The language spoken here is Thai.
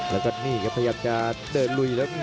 แล้วก็นี่ครับพยายามจะเดินลุยแล้ว